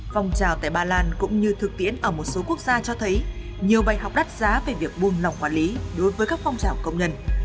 phong trào tại ba lan cũng như thực tiễn ở một số quốc gia cho thấy nhiều bài học đắt giá về việc buôn lỏng quản lý đối với các phong trào công nhân